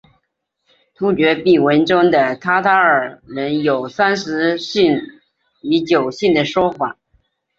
突厥碑文中的塔塔尔人有三十姓与九姓的说法。